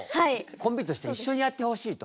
コンビとして一緒にやってほしいと。